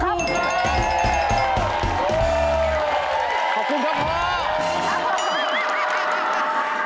ขอบคุณครับพ่อ